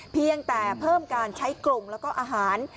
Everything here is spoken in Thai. เพียงแต่เพิ่มการใช้กรงแล้วก็อาหาร